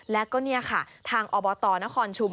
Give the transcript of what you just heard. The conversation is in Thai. แล้วก็นี่ค่ะทางอบอตอนท์นครชุม